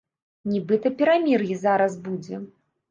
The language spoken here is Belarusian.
Нібыта перамір'е зараз будзе.